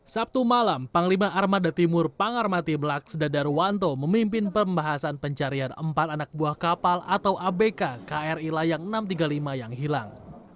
sabtu malam panglima armada timur pangarmati blaks dadarwanto memimpin pembahasan pencarian empat anak buah kapal atau abk kri layang enam ratus tiga puluh lima yang hilang